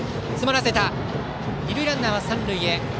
二塁ランナーは三塁へ。